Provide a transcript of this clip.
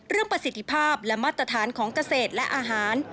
ประสิทธิภาพและมาตรฐานของเกษตรและอาหาร